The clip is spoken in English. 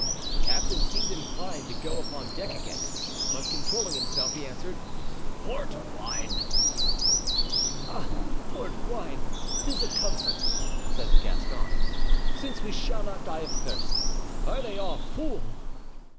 The captain seemed inclined to go upon deck again, but controlling himself he answered: "Port wine." "Ah! port wine! 'tis a comfort," said the Gascon, "since we shall not die of thirst. Are they all full?"